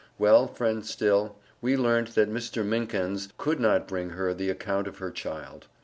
Well friend Still, we learnt that Mr. Minkens could not bring her the account of her child.